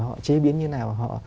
họ chế biến như thế nào